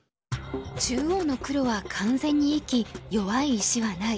中央の黒は完全に生き弱い石はない。